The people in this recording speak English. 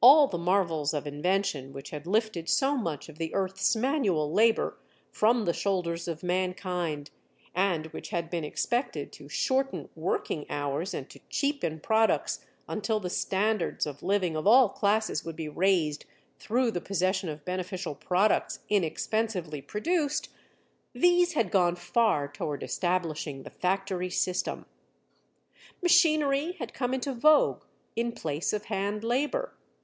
All the marvels of invention which had lifted so much of the earth's manual labor from the shoulders of mankind and which had been expected to shorten working hours and to cheapen products until the standards of living of all classes would be raised through the possession of beneficial products inexpensively produced—these had gone far toward establishing the factory system. Machinery had come into vogue in place of hand labor.